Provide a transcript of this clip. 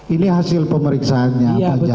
ini hasil pemeriksaannya